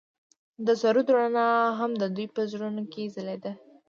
د سرود رڼا هم د دوی په زړونو کې ځلېده.